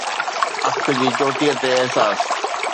اک جي چوٽي تي احساس